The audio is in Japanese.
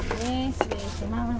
失礼します。